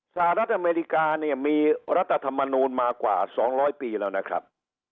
สหรัฐอเมริกาเนี่ยมีรัฐธรรมนูลมากว่า๒๐๐ปีแล้วนะครับ